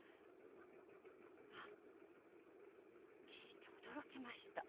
あ聞いて驚きました。